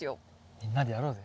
みんなでやろうぜ。